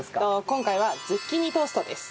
今回はズッキーニトーストです。